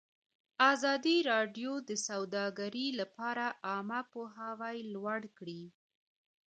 ازادي راډیو د سوداګري لپاره عامه پوهاوي لوړ کړی.